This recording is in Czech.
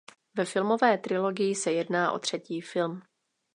Ve filmové trilogii se jedná o třetí film.